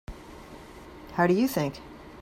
How do you think?